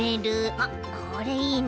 あっこれいいね。